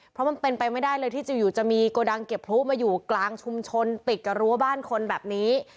เพราะมันเป็นไปไม่ได้เลยที่อยู่จะมีโกดังเก็บพลุมาอยู่กลางชุมชนติดกับรั้วบ้านคนแบบนี้